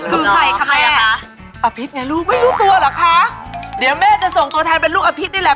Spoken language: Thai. คือใครทำไมอ่ะคะอภิษไงลูกไม่รู้ตัวเหรอคะเดี๋ยวแม่จะส่งตัวแทนเป็นลูกอภิษนี่แหละ